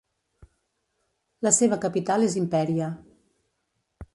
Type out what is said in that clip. La seva capital és Imperia.